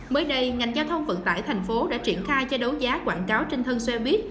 mới đây ngành giao thông vận tải thành phố đã triển khai cho đấu giá quảng cáo trên thân xe buýt